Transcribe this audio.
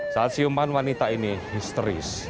saat siuman wanita ini histeris